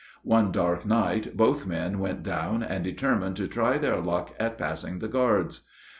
One dark night both men went down and determined to try their luck at passing the guards.